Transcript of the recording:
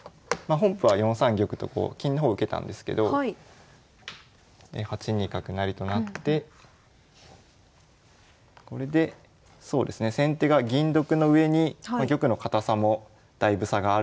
本譜は４三玉と金の方受けたんですけど８二角成となってこれでそうですね先手が銀得のうえに玉の堅さもだいぶ差があるので。